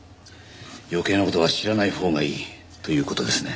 余計な事は知らないほうがいいという事ですね。